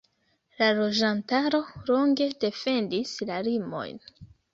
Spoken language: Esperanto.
La loĝantaro longe defendis la limojn.